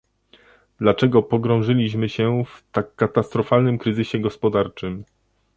Dlaczego pogrążyliśmy się w tak katastrofalnym kryzysie gospodarczym?